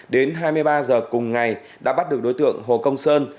đến hai mươi ba h cùng ngày đã bắt được đối tượng hồ công sơn